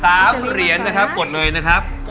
และ๓เหรียญนะคับกดเลยนะท่ี